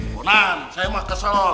konan saya mah kesel